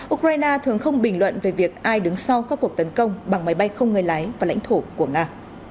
ukraine thường không bình luận về việc ai đứng sau các cuộc tấn công bằng máy bay không người lái vào lãnh thổ của nga